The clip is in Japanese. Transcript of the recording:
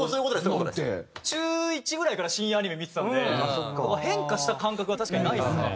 中１ぐらいから深夜アニメ見てたんで変化した感覚は確かにないですね。